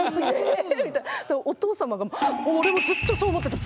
お父様が「俺もずっとそう思ってた！